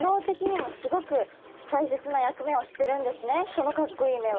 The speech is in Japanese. このかっこいい目は。